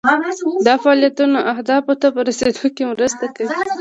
دا فعالیتونه اهدافو ته په رسیدو کې مرسته کوي.